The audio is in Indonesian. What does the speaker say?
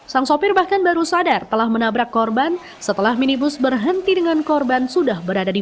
sang sopir bahkan baru sadar telah menabrak korban setelah minibus berhenti dengan korban sudah berada di